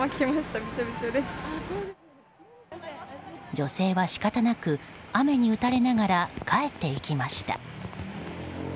女性は仕方なく雨に打たれながら帰っていきました。